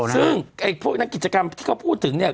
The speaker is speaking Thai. ซึ่งพวกนักกิจกรรมที่เขาพูดถึงเนี่ย